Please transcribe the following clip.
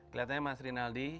kelihatannya mas rinaldi